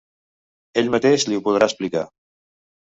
Ell mateix li ho podrà explicar.